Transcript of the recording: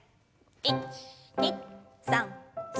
１２３４。